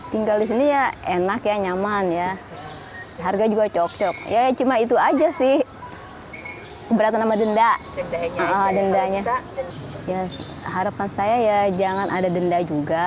harapan saya ya jangan ada denda juga